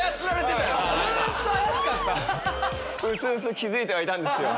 うすうす気付いてはいたんですよ